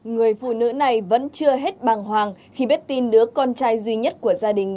người phụ nữ này vẫn chưa hết bàng hoàng khi biết tin đứa con trai duy nhất của gia đình